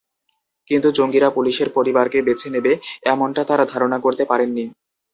কিন্তু জঙ্গিরা পুলিশের পরিবারকে বেছে নেবে, এমনটা তাঁরা ধারণা করতে পারেননি।